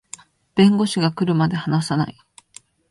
弁護士が来るまで話さない